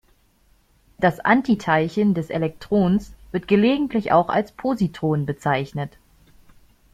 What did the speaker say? Das Antiteilchen des Elektrons wird gelegentlich auch als Positron bezeichnet.